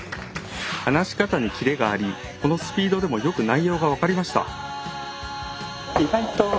話し方にキレがありこのスピードでもよく内容が分かりました。